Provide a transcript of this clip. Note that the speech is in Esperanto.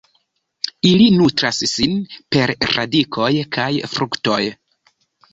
Ili nutras sin per radikoj kaj fruktoj.